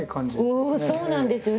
そうなんですよね。